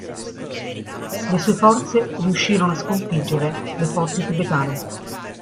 Le sue forze riuscirono a sconfiggere le forze tibetane.